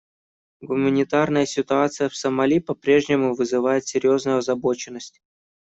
Гуманитарная ситуация в Сомали по-прежнему вызывает серьезную озабоченность.